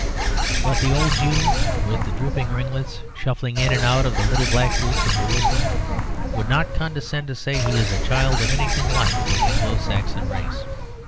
But the old Jew with the drooping ringlets, shuffling in and out of the little black booths of Jerusalem, would not condescend to say he is a child of anything like the Anglo Saxon race.